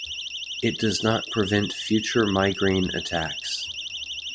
It does not prevent future migraine attacks.